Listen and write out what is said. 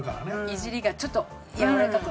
イジりがちょっとやわらかく。